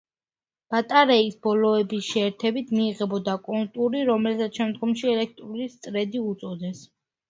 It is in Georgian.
ბატარეის ბოლოების შეერთებით მიიღებოდა კონტური, რომელსაც შემდგომში ელექტრული წრედი უწოდეს.